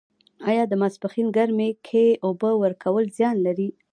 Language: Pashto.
آیا د ماسپښین ګرمۍ کې اوبه ورکول زیان لري؟